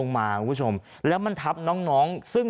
เพื่อเดินแตงงรึง